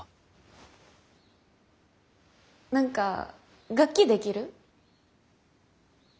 何か楽器できる？